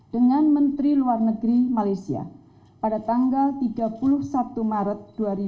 dengan menteri luar negeri malaysia pada tanggal tiga puluh satu maret dua ribu dua puluh